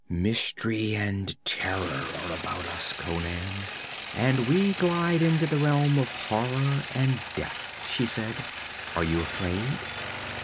'Mystery and terror are about us, Conan, and we glide into the realm of horror and death,' she said. 'Are you afraid?'